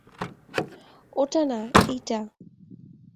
ওটা না, এইটা।